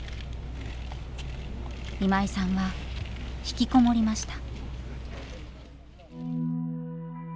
今井さんは引きこもりました。